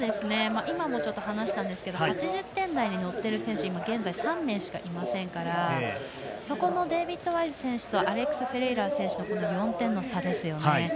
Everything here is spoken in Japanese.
今も話したんですけど８０点台に乗っている選手が現在、３名しかいませんからそこのデイビッド・ワイズ選手とアレックス・フェレイラ選手の４点の差ですよね。